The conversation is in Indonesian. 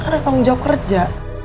gue kan datang jauh kerja